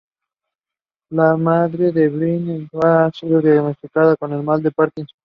La madre de Brin, Eugenia ha sido diagnosticada del mal de Parkinson.